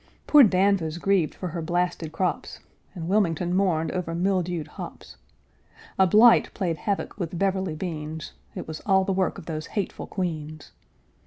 Poor Danvers grieved for her blasted crops, And Wilmington mourned over mildewed hops. A blight played havoc with Beverly beans, It was all the work of those hateful queans!